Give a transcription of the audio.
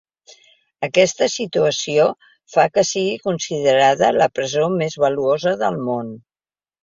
Aquesta situació fa que sigui considerada la presó més valuosa del món.